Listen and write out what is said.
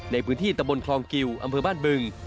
ในพื้นที่ตะบนคลองกิวอำเภอบ้านบึง